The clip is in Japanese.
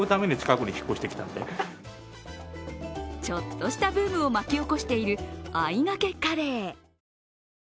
ちょっとしたブームを巻き起こしているあいがけカレー。